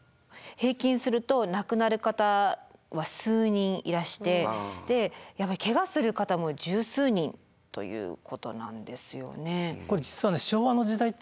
平均すると亡くなる方は数人いらしてやっぱりケガする方も十数人ということなんですよね。